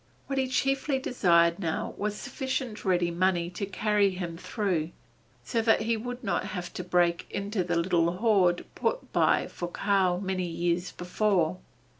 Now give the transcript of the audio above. What he chiefly desired now was sufficient ready money to carry him through, so that he would not have to break into the little hoard put by for Karl many years before.